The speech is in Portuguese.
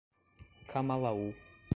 Camalaú